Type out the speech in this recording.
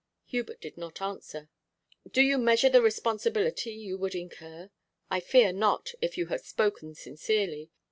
Hubert did not answer. 'Do you measure the responsibility you would incur? I fear not, if you have spoken sincerely.